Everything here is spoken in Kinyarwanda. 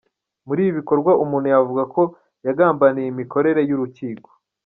Muri ibi bikorwa, umuntu yavuga ko yagambaniye imikorere y’urukiko.